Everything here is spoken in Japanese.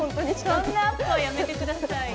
そんなアップはやめてください。